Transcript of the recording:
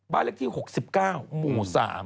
บ้านเลือกที่๖๙หมู่๓